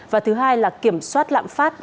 và thứ hai là kiểm soát lạm phát